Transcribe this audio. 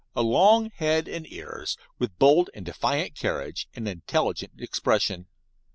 A long head and ears, with bold and defiant carriage and intelligent expression.